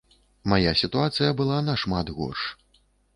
Мая сітуацыя была нашмат горш.